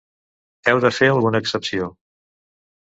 Heu de fer alguna excepció.